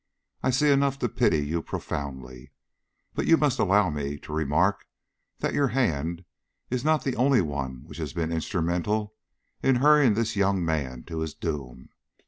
"I see enough to pity you profoundly. But you must allow me to remark that your hand is not the only one which has been instrumental in hurrying this young man to his doom.